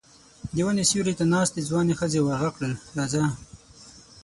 د وني سيوري ته ناستې ځوانې ښځې ور غږ کړل: راځه!